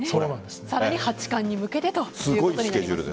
さらに、八冠に向けてということになりますね。